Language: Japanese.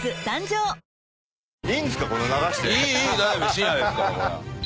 深夜ですからこれ。